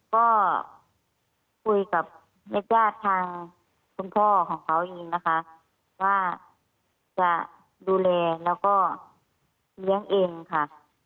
ก็คุยกับนักยาศทางคุณพ่อของเขาอย่างนี้นะคะว่าจะดูแลแล้วก็เลี้ยงเองค่ะ